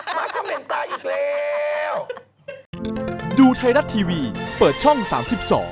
มาคอมเมนต์ตาอีกแล้ว